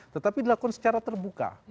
tetapi dilakukan secara terbuka